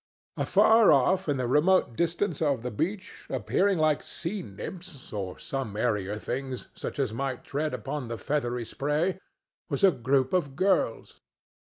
Afar off in the remote distance of the beach, appearing like sea nymphs, or some airier things such as might tread upon the feathery spray, was a group of girls.